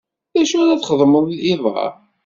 D acu ara txedmeḍ iḍ-a?